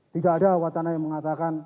tidak ada wacana yang mengatakan